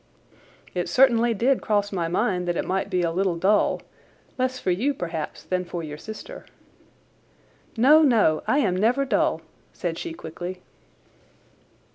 "It certainly did cross my mind that it might be a little dull—less for you, perhaps, than for your sister." "No, no, I am never dull," said she quickly.